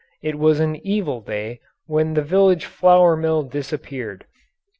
It was an evil day when the village flour mill disappeared.